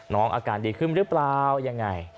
อน้องอาการดีขึ้นหรือเปล่า